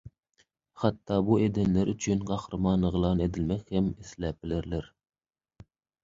Hatda bu edenleri üçin gahryman yglan edilmek hem isläp bilerler.